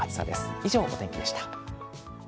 以上お天気でした。